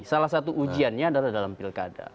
salah satu ujiannya adalah dalam pilkada